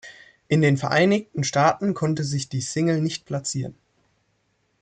In den Vereinigten Staaten konnte sich die Single nicht platzieren.